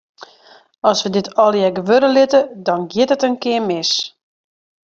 As wy dit allegear gewurde litte, dan giet it in kear mis.